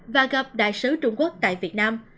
và gặp đại sứ trung quốc tại việt nam